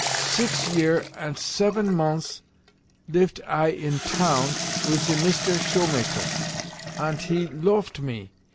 Six year ant seven mons livet I in town wis ze Mister Shoemaker, ant he loaft me.